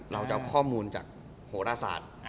จะเอาข้อมูลจากโหรศาสตร์